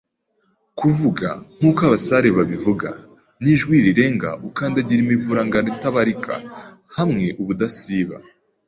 kuvuga, nkuko abasare babivuga, n'ijwi rirenga, ukandagira imivurungano itabarika hamwe ubudasiba